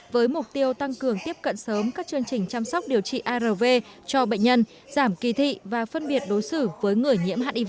với mục tiêu tăng cường tiếp cận sớm các chương trình chăm sóc điều trị arv cho bệnh nhân giảm kỳ thị và phân biệt đối xử với người nhiễm hiv